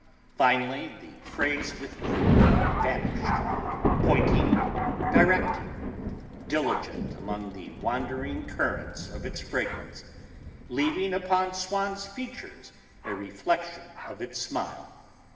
Finally the phrase withdrew and vanished, pointing, directing, diligent among the wandering currents of its fragrance, leaving upon Swann's features a reflection of its smile.